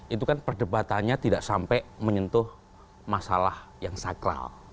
itu kan perdebatannya tidak sampai menyentuh masalah yang sakral